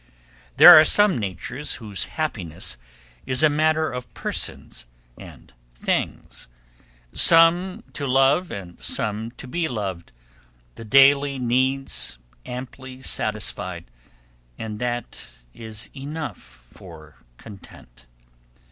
There are some natures whose happiness is a matter of persons and things; some to love and some to be loved; the daily needs amply satisfied, and that is enough for content.